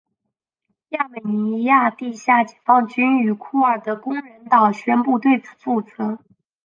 亚美尼亚地下解放军与库尔德工人党宣布对此负责。